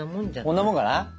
こんなもんかな？